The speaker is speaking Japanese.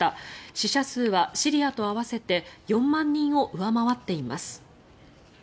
死者数はシリアと合わせて４万人を上回っています。